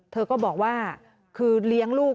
เธอก็บอกว่าคือเลี้ยงลูก